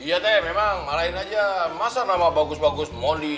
iya teh memang marahin aja masa nama bagus bagus modi